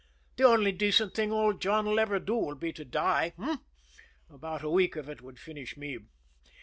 The only decent thing old John 'll ever do will be to die h'm? About a week of it would finish me.